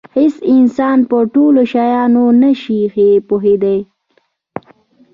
هېڅ انسان په ټولو شیانو نه شي پوهېدلی.